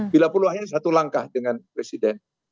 bila perlu hanya satu langkah dengan presiden